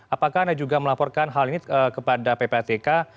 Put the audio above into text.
apakah anda juga melaporkan hal ini kepada ppatk